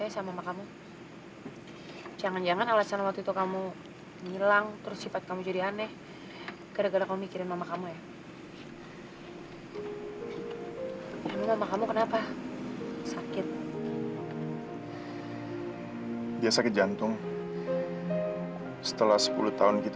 sampai jumpa di video selanjutnya